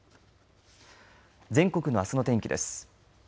全国のあすの天気です。